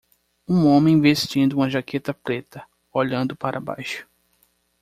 Um homem vestindo uma jaqueta preta, olhando para baixo.